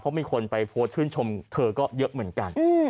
เพราะมีคนไปโพสต์ชื่นชมเธอก็เยอะเหมือนกัน